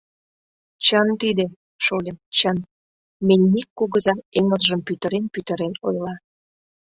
— Чын тиде, шольым, чын! — мельник кугыза эҥыржым пӱтырен-пӱтырен ойла.